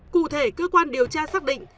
cụ thể cơ quan điều tra xác định